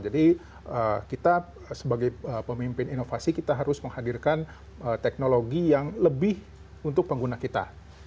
kita sebagai pemimpin inovasi kita harus menghadirkan teknologi yang lebih untuk pengguna kita